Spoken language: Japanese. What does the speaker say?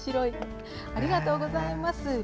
ありがとうございます。